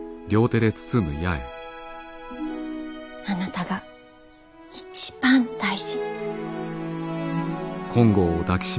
あなたが一番大事。